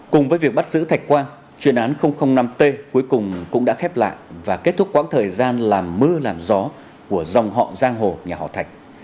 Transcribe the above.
cùng với việc bắt giữ thạch quang chuyên án năm t cuối cùng cũng đã khép lại và kết thúc quãng thời gian làm mưa làm gió của dòng họ giang hồ nhà họ thạch